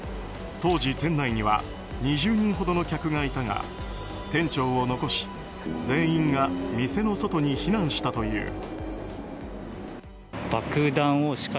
当時、店内には２０人ほどの客がいたが店長を残し全員が店の外に避難したという。